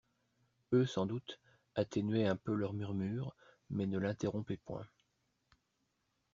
Eux, sans doute, atténuaient un peu leur murmure mais ne l'interrompaient point.